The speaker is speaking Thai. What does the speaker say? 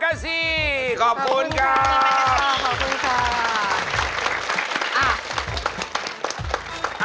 ขอบคุณค่ะขอบคุณค่ะ